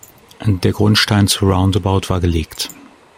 Der Grundstein zu „Roundabout“ war gelegt.